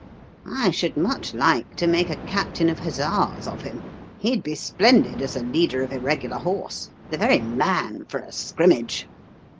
"I should much like to make a captain of hussars of him. He'd be splendid as a leader of irregular horse; the very man for a scrimmage!"